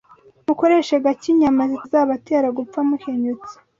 Mukoreshe gake inyama zitazabatera gupfa mukenyutse